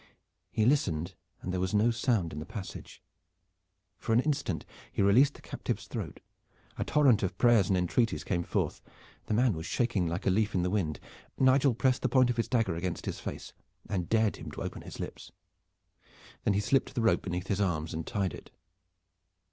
He listened and there was no sound in the passage. For an instant he released his captive's throat. A torrent of prayers and entreaties came forth. The man was shaking like a leaf in the wind. Nigel pressed the point of his dagger against his face and dared him to open his lips. Then he slipped the rope beneath his arms and tied it.